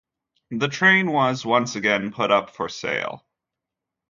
The train was once again put up for sale.